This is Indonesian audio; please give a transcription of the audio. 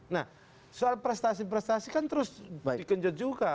nah soal prestasi prestasi kan terus dikejut juga